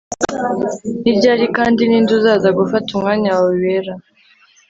ni ryari kandi ninde uzaza gufata umwanya wawe wera